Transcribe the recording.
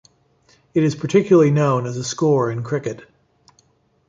It is particularly known as a score in cricket.